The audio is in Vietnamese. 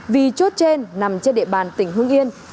vì chốt trên nằm trên địa bàn tỉnh hưng yên